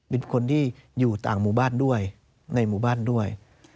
เป็นคนที่อยู่ต่างหมู่บ้านด้วยในหมู่บ้านด้วย